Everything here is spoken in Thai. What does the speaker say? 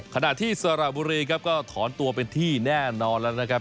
ขณะที่สระบุรีครับก็ถอนตัวเป็นที่แน่นอนแล้วนะครับ